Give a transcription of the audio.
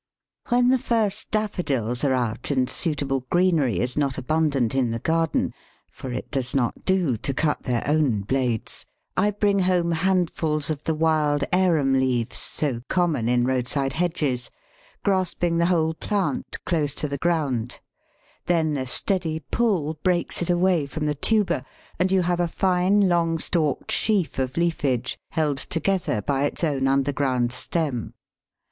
When the first Daffodils are out and suitable greenery is not abundant in the garden (for it does not do to cut their own blades), I bring home handfuls of the wild Arum leaves, so common in roadside hedges, grasping the whole plant close to the ground; then a steady pull breaks it away from the tuber, and you have a fine long stalked sheaf of leafage held together by its own underground stem.